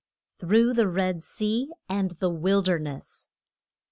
THROUGH THE RED SEA AND THE WILDERNESS.